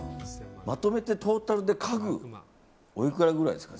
まとめてトータルで、家具おいくらぐらいですか？